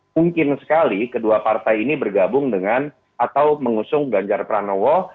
mungkin sekali kedua partai ini bergabung dengan atau mengusung ganjar pranowo